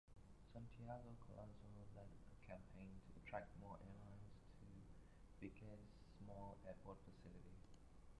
Santiago Collazo led a campaign to attract more airlines to Vieques' small airport facility.